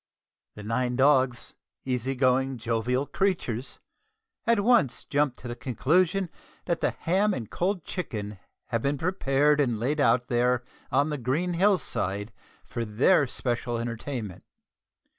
The nine dogs easy going, jovial creatures at once jump to the conclusion that the ham and cold chicken have been prepared and laid out there on the green hill side for their special entertainment.